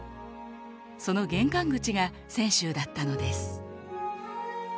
その玄関口が泉州だったのです。